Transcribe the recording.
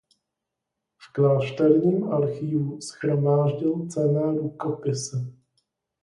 V klášterním archivu shromáždil cenné rukopisy.